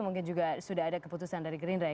mungkin juga sudah ada keputusan dari gerindra ya